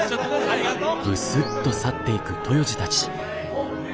ありがとう！おい。